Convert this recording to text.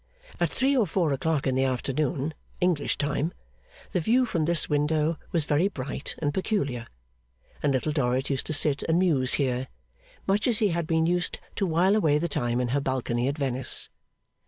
At three or four o'clock in the afternoon, English time, the view from this window was very bright and peculiar; and Little Dorrit used to sit and muse here, much as she had been used to while away the time in her balcony at Venice.